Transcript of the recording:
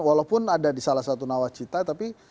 walaupun ada di salah satu nawacita tapi